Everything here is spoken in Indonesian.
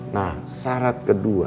nah syarat kedua